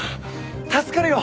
助かるよ！